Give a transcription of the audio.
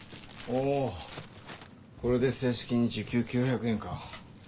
おこれで正式に時給９００円か。